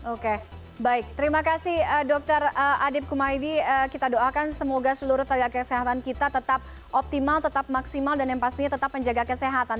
oke baik terima kasih dokter adib kumaydi kita doakan semoga seluruh tenaga kesehatan kita tetap optimal tetap maksimal dan yang pastinya tetap menjaga kesehatan